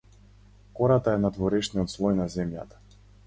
Кората е надворешниот слој на земјата.